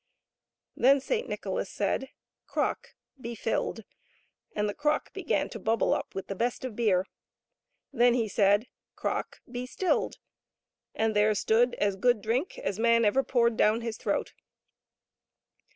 Then Saint Nicholas said, " Crock be filled !" and the crock began to bubble up with the best of beer. Then he said, " Crock be stilled !" and there stood as good drink as man ever poured down his throat.